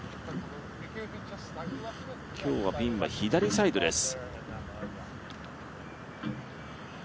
今日はピンは左サイドです。